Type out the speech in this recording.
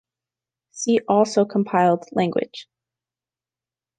See also compiled language.